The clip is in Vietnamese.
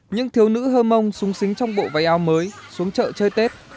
những thiếu nữ hơ mông sung sính trong bộ váy áo mới xuống chợ chơi tết